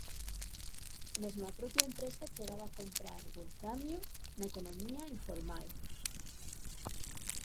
Mesmo a propia empresa chegaba a comprar volframio na economía informal.